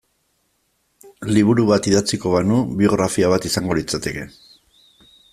Liburu bat idatziko banu biografia bat izango litzateke.